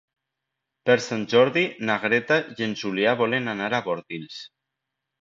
Per Sant Jordi na Greta i en Julià volen anar a Bordils.